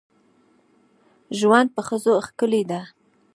ژوند په ښځو ښکلی ده.